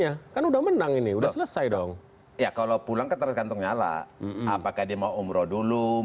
artinya kan publik juga pengen tahu